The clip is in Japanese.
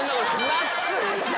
真っすぐ。